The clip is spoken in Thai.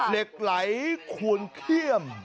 เหล็กไหลคูณเขี้ยม